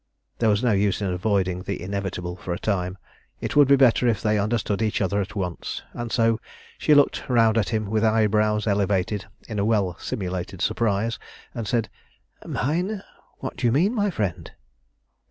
There was no use in avoiding the inevitable for a time. It would be better if they understood each other at once; and so she looked round at him with eyebrows elevated in well simulated surprise, and said "Mine! What do you mean, my friend?"